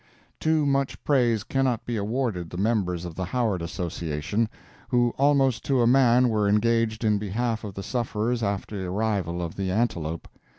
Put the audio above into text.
Too much praise cannot be awarded the members of the Howard Association, who almost to a man were engaged in behalf of the sufferers after the arrival of the Antelope.